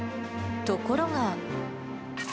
ところが。